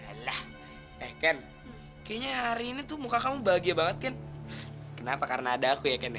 alah eh ken kayaknya hari ini tuh muka kamu bahagia banget ken kenapa karena ada aku ya ken ya